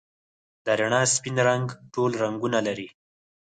د رڼا سپین رنګ ټول رنګونه لري.